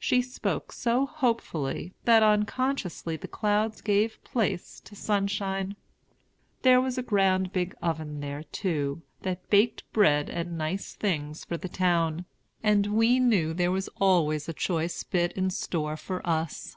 She spoke so hopefully, that unconsciously the clouds gave place to sunshine. There was a grand big oven there, too, that baked bread and nice things for the town; and we knew there was always a choice bit in store for us.